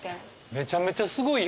めちゃめちゃすごいやん。